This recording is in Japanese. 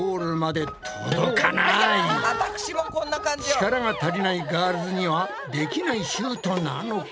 力が足りないガールズにはできないシュートなのか？